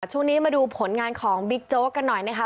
ช่วงนี้มาดูผลงานของบิ๊กโจ๊กกันหน่อยนะคะ